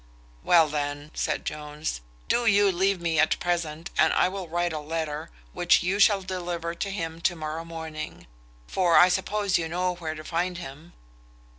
"Well, then," said Jones, "do you leave me at present, and I will write a letter, which you shall deliver to him to morrow morning; for I suppose you know where to find him."